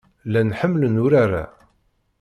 Llan ḥemmlen urar-a.